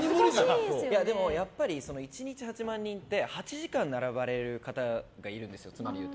でも、やっぱり１日８万人って８時間並ばれる方がいるんですよ。